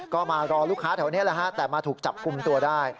ก็มารอลูกค้าแถวนี้แหละฮะแต่มาถูกจับกลุ่มตัวได้